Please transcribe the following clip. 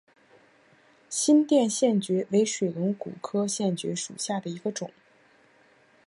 新店线蕨为水龙骨科线蕨属下的一个种。